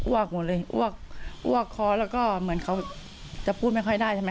วกหมดเลยอ้วกอ้วกคอแล้วก็เหมือนเขาจะพูดไม่ค่อยได้ใช่ไหม